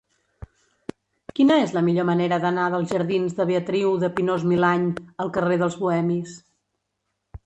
Quina és la millor manera d'anar dels jardins de Beatriu de Pinós-Milany al carrer dels Bohemis?